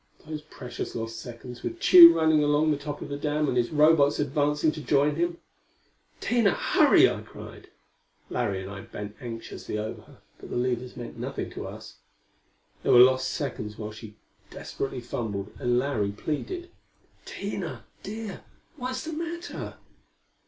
Those precious lost seconds, with Tugh running along the top of the dam and his Robots advancing to join him! "Tina, hurry!" I cried. Larry and I bent anxiously over her, but the levers meant nothing to us. There were lost seconds while she desperately fumbled, and Larry pleaded: "Tina, dear, what's the matter?"